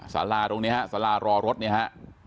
สาราตรงนี้ฮะสารารอรถเนี่ยฮะ